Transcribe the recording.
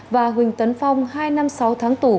và huỳnh tấn phong hai năm sáu tháng tù